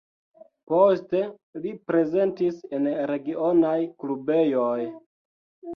Poste li prezentis en regionaj klubejoj.